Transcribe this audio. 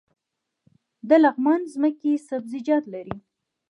د لغمان ځمکې سبزیجات لري